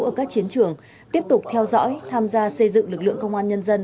ở các chiến trường tiếp tục theo dõi tham gia xây dựng lực lượng công an nhân dân